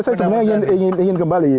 saya sebenarnya ingin kembali